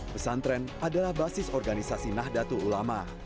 pesantren adalah basis organisasi nahdlatul ulama